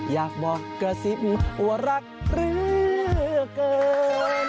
อยากบอกกระซิบว่ารักเหลือเกิน